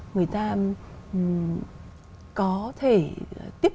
người ta có thể tiếp cận với chính quyền